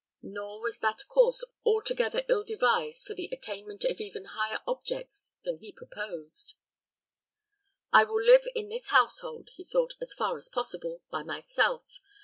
Nor was that course altogether ill devised for the attainment of even higher objects than he proposed. "I will live in this household," he thought, "as far as possible, by myself.